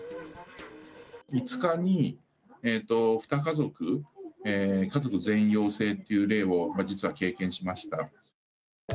５日に２家族、家族全員陽性という例を実は経験しました。